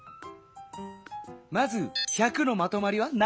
まず１００のまとまりは何こあった？